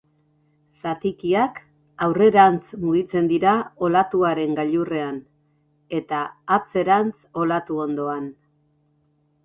Zatikiak aurrerantz mugitzen dira olatuaren gailurrean, eta atzerantz olatu hondoan.